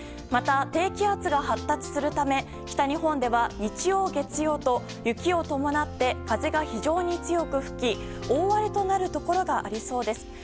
また、低気圧が発達するため北日本では日曜、月曜と雪を伴って風が非常に強く吹き大荒れとなるところがありそうです。